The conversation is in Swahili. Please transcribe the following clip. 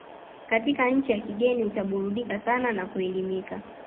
katika nchi ya kigeni utaburudika sana na kuelimika